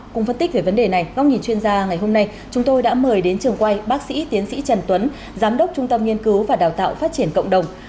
cùng phân tích về vấn đề này góc nhìn chuyên gia ngày hôm nay chúng tôi đã mời đến trường quay bác sĩ tiến sĩ trần tuấn giám đốc trung tâm nghiên cứu và đào tạo phát triển cộng đồng